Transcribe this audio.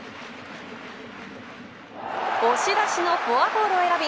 押し出しのフォアボールを選び